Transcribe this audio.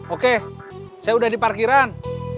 oke saya udah di parkiran